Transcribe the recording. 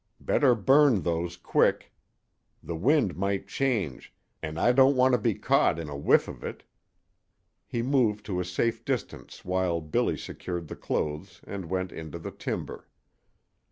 Better burn those quick. The wind might change, and I don't want to be caught in a whiff of it." He moved to a safe distance while Billy secured the clothes and went into the timber.